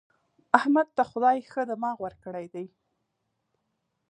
احمد ته خدای ښه دماغ ورکړی دی.